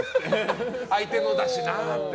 相手のだしなって。